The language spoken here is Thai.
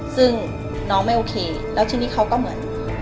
ซึ่งน้องไม่โอเคแล้วทีนี้เขาก็เหมือน